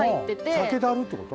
さけだるってこと？